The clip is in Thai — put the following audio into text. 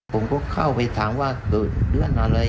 ผมก็เข้าไปถามว่าเกิดเรื่องอะไร